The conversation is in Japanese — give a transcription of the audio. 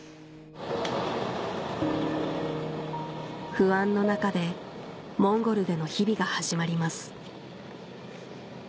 不安の中でモンゴルでの日々が始まります